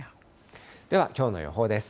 では、きょうの予報です。